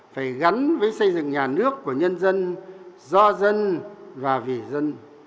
phải gắn với xây dựng nhà nước của nhân dân do dân và vì dân